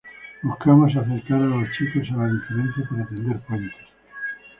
Buscamos acercar a los chicos a la diferencia para tender puentes.